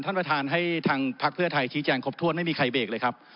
ท่านประธานให้ทางพักเพื่อไทยชี้แจงครบถ้วนไม่มีใครเบรกเลยครับ